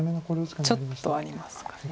ちょっとありますかね。